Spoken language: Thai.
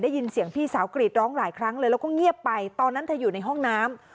ได้ยินเสียงพี่สาวกรีดร้องหลายครั้งเลยแล้วก็เงียบไปตอนนั้นเธออยู่ในห้องน้ำ